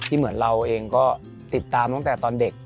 เหมือนเราเองก็ติดตามตั้งแต่ตอนเด็ก